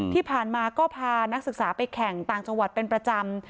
ที่ผ่านมาก็พานักศึกษาไปแข่งต่างจังหวัดเป็นประจำ